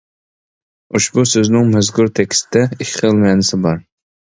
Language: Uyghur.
ئۇشبۇ سۆزنىڭ مەزكۇر تېكىستتە ئىككى خىل مەنىسى بار.